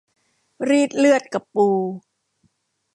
รีดเลือดกับปู